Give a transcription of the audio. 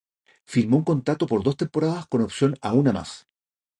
Firmó un contrato por dos temporadas con opción a una más.